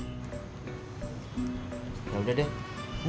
itu isinya dua ekor jadi delapan puluh ribu aja